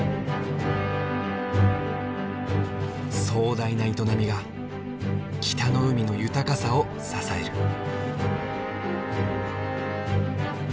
壮大な営みが北の海の豊かさを支える。